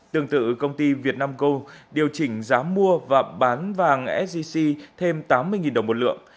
tương tự công ty việt nam gol điều chỉnh giá mua và bán vàng sgc thêm tám mươi đồng một lượng